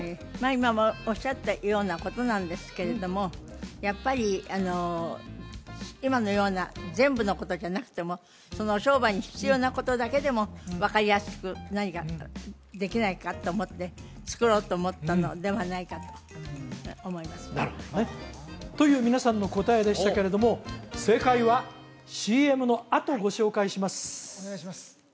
今もおっしゃったようなことなんですけれどもやっぱりあの今のような全部のことじゃなくてもその商売に必要なことだけでも分かりやすく何かできないかと思って作ろうと思ったのではないかと思いますなるほどねという皆さんの答えでしたけれども正解はＣＭのあとご紹介しますお願いします